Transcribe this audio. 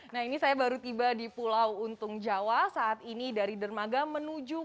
nah ini saya baru tiba di pulau untung jawa saat ini dari dermaga menuju